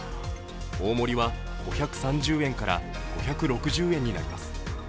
大盛りは５３０円から５６０円になります。